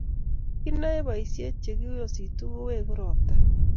Kinoe boisiek che kiyositu koweku robta